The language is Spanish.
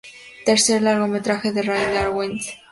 Tercer largometraje de Ray Lawrence.